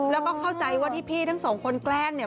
แล้วก็เข้าใจว่าที่พี่ทั้งสองคนแกล้งเนี่ย